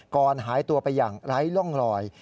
ก่อนหายตัวไปอย่างไร้ร่องลอย